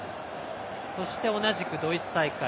そして同じくドイツ大会。